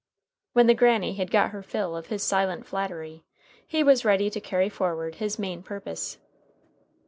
When the Granny had got her fill of his silent flattery, he was ready to carry forward his main purpose.